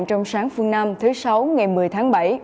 trong sáng phương nam thứ sáu ngày một mươi tháng bảy